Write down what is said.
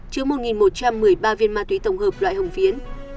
chứa một một trăm một mươi ba viên ma túy tổng hợp loại hồng phiến